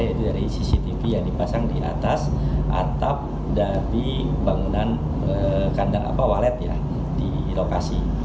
yaitu dari cctv yang dipasang di atas atap dari bangunan kandang walet di lokasi